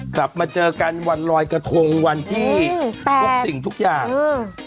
กลับมาเจอกันวันลอยกระทงวันที่ใช่ทุกสิ่งทุกอย่างอืม